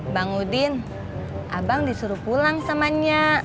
bang udin abang disuruh pulang samanya